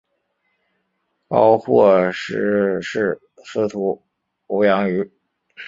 高获师事司徒欧阳歙。